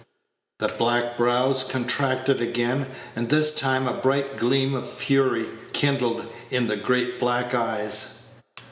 The black brows contracted again, and this time a bright gleam of fury kindled in the great black eyes.